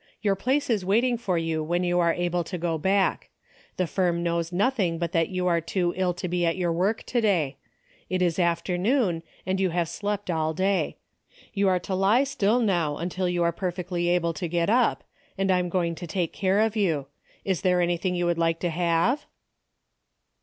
Your place is waiting for you when you are able to go back. The firm knows nothing but that you are too ill to be at your work to day. It is afternoon, and you have slept all day. You are to lie still now until you are perfectly able to get up, and I am going to take care of you. Is there anything you would like to have